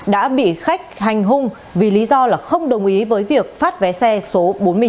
đã bị khách hành hung vì lý do là không đồng ý với việc phát vé xe số bốn mươi chín